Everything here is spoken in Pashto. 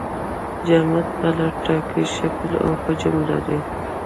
جامد حالت ټاکلی شکل او حجم لري.